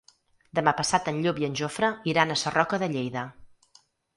Demà passat en Llop i en Jofre iran a Sarroca de Lleida.